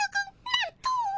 なんと！